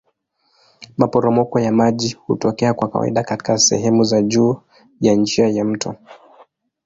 Maporomoko ya maji hutokea kwa kawaida katika sehemu za juu ya njia ya mto.